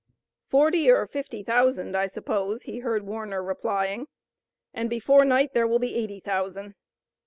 "Forty or fifty thousand, I suppose," he heard Warner replying, "and before night there will be eighty thousand.